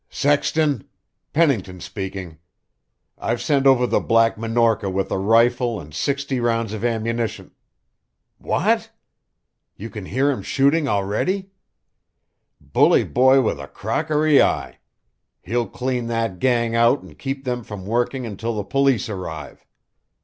"Sexton? Pennington speaking. I've sent over the Black Minorca with a rifle and sixty rounds of ammunition... What? You can hear him shooting already? Bully boy with a crockery eye! He'll clean that gang out and keep them from working until the police arrive.